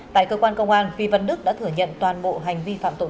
tại cơ quan công an vi văn đức đã thừa nhận toàn bộ hành vi phạm tội